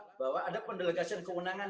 dengan pola bahwa ada pendelegasi keunangan